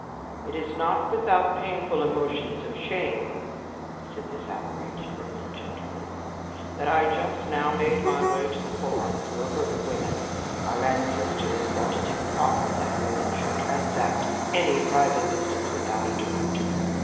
"It was not without painful emotions of shame," said this outraged Roman gentleman, "that I just now made my way to the Forum through a herd of women. Our ancestors thought it improper that women should transact any private business without a director.